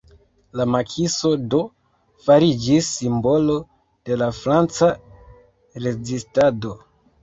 La Makiso do, fariĝis simbolo de la Franca rezistado.